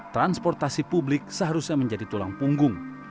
transportasi publik seharusnya menjadi tulang punggung